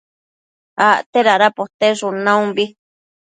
acte dada poteshun naumbi